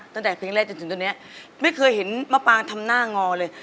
ตั้งแต่เพลงแรกจนถึงตอนนี้ไม่เคยเห็นมะปางทำหน้างอเลย